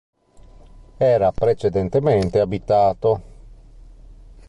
Era precedentemente abitato.